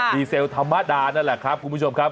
เซลธรรมดานั่นแหละครับคุณผู้ชมครับ